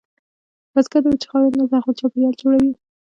بزګر د وچې خاورې نه زرغون چاپېریال جوړوي